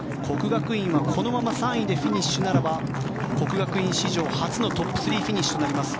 國學院はこのまま３位でフィニッシュならば國學院史上初のトップ３フィニッシュとなります。